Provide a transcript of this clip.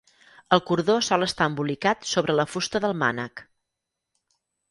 El cordó sol estar embolicat sobre la fusta del mànec.